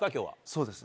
そうです。